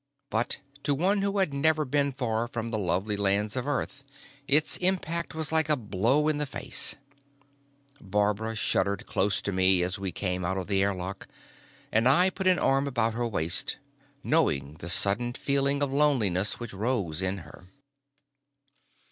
But to one who had never been far from the lovely lands of Earth, its impact was like a blow in the face. Barbara shuddered close to me as we came out of the airlock, and I put an arm about her waist, knowing the sudden feeling of loneliness which rose in her.